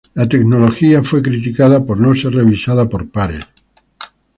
La tecnología fue criticada por no ser revisada por pares.